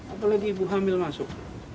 apalagi ibu hamil masuk